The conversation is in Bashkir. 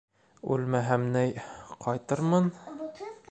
Үлмәһәм ней... ҡайтырмын...